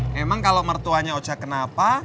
memang kalau mertuanya oca kenapa